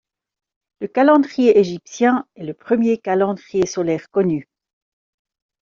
Le calendrier égyptien est le premier calendrier solaire connu.